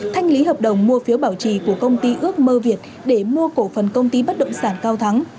thanh lý hợp đồng mua phiếu bảo trì của công ty ước mơ việt để mua cổ phần công ty bất động sản cao thắng